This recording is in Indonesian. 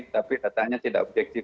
tapi datanya tidak objektif